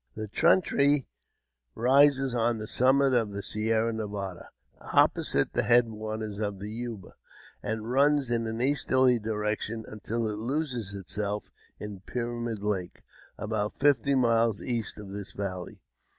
432 AUTOBIOGBAPHY OF JAMES P. BECKWOUBTH, The Truchy rises on the summit of the Sierra Nevada, opposite the head waters of the Yuba, and runs in an easterly direction until it loses itself in Pyramid Lake, about fifty miles east of this valley.